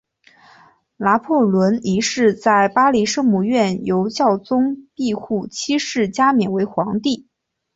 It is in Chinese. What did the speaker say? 拿破仑一世在巴黎圣母院由教宗庇护七世加冕为皇帝。